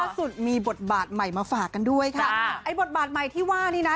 สุดมีบทบาทใหม่มาฝากกันด้วยค่ะไอ้บทบาทใหม่ที่ว่านี่นะ